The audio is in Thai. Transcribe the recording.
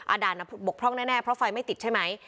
ด่านบกพร่องแน่เพราะไฟไม่ติดใช่ไหม